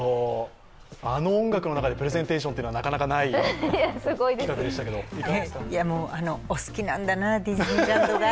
あの音楽の中でプレゼンテーションというのはなかなかない企画でしたけど、いかがですか。